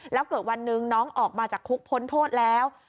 แล้วเกิดวันหนึ่งน้องออกมาจากคุกพ้นโทษแล้ว